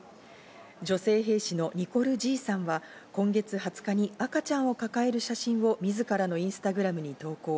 女性兵士のニコル・ジーさんは今月２０日に赤ちゃんを抱える写真をみずからのインスタグラムに投稿。